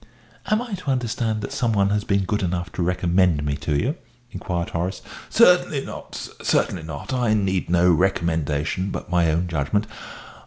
"Am I to understand that some one has been good enough to recommend me to you?" inquired Horace. "Certainly not, sir, certainly not. I need no recommendation but my own judgment.